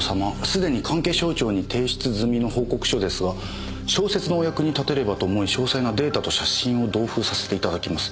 すでに関係省庁に提出済の報告書ですが小説のお役に立てればと思い詳細なデータと写真を同封させていただきます。